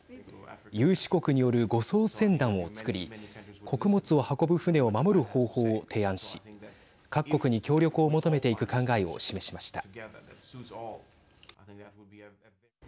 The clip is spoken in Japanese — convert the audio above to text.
有志国による護送船団をつくり穀物を運ぶ船を守る方法を提案し各国に協力を求めていく考えを示しました。